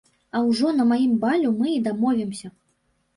А ўжо на маім балю мы і дамовімся.